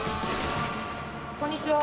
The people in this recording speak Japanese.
こんにちは。